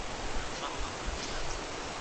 هغه مهال هغوی د ستورو په اړه مطالعه کوله.